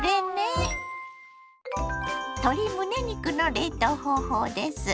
鶏むね肉の冷凍方法です。